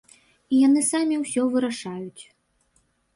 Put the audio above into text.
І яны самі ўсё вырашаюць.